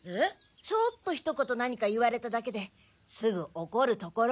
ちょっとひと言何か言われただけですぐおこるところ。